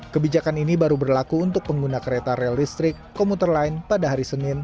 kebijakan ini baru berlaku untuk pengguna kereta rel listrik komuter lain pada hari senin